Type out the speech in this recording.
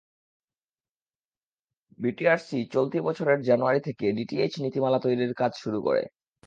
BTRC চলতি বছরের জানুয়ারি থেকে ডিটিএইচ নীতিমালা তৈরির কাজ শুরু করে।